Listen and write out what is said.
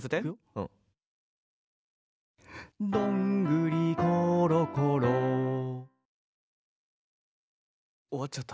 「どんぐりころころ」終わっちゃった。